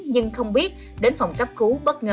nhưng không biết đến phòng cấp cứu bất ngờ